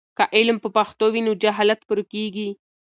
که علم په پښتو وي نو جهالت ورکېږي.